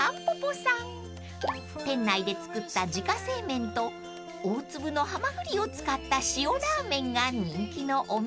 ［店内で作った自家製麺と大粒のハマグリを使った塩ラーメンが人気のお店］